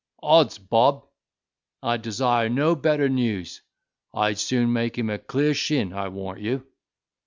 Odds bob! I'd desire no better news. I'd soon make him a clear shin, I warrant you."